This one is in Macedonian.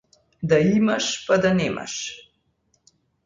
Да имаш па да немаш.